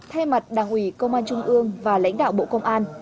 thay mặt đảng ủy công an trung ương và lãnh đạo bộ công an